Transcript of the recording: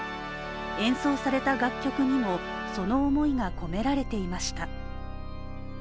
演奏された楽曲にもその思いが込められていました。